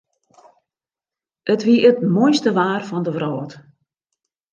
It wie it moaiste waar fan de wrâld.